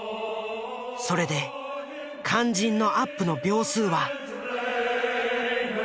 それで肝心のアップの秒数は？